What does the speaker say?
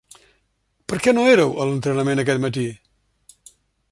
Per què no éreu a l'entrenament aquest matí?